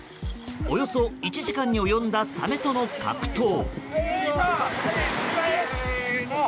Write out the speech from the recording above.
およそ１時間に及んだサメとの格闘。